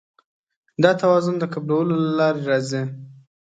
دا توازن د قبلولو له لارې راځي.